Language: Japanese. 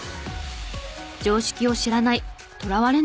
常識を知らないとらわれない。